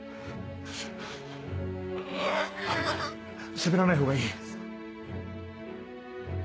しゃべらない方がいい。